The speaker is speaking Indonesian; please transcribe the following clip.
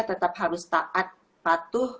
tetap harus taat patuh